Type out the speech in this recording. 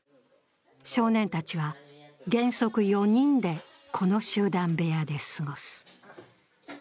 少年たちは原則４人でこの集団部屋で過ごす。